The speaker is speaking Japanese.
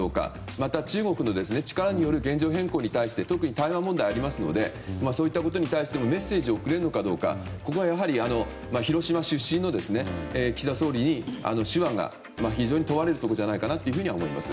また中国の力による現状変更に対して特に台湾問題がありますのでそういったことに対してもメッセージを送れるのかどうかここが広島出身の岸田総理に手腕が非常に問われるところではないかと思います。